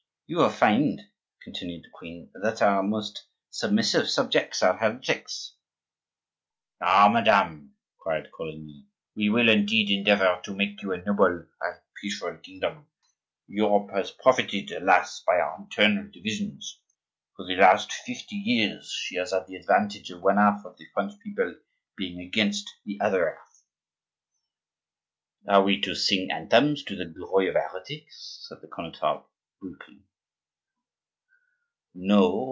"You will find," continued the queen, "that our most submissive subjects are heretics." "Ah, madame!" cried Coligny, "we will indeed endeavor to make you a noble and peaceful kingdom! Europe has profited, alas! by our internal divisions. For the last fifty years she has had the advantage of one half of the French people being against the other half." "Are we here to sing anthems to the glory of heretics," said the Connetable, brutally.